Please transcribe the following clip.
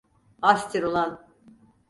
Hastir ulan!